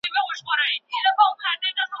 لارښود د څېړني په هر پړاو کي همکاري کوي.